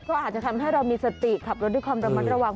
ก็อาจจะทำให้เรามีสติขับรถด้วยความระมัดระวัง